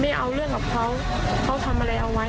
เอาเรื่องกับเขาเขาทำอะไรเอาไว้